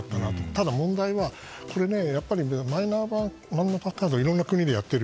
ただ、問題はマイナンバーカードいろんな国でやっている。